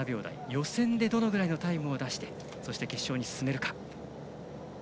予選でどれぐらいタイムを出して決勝に進めるか。